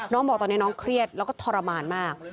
บอกตอนนี้น้องเครียดแล้วก็ทรมานมาก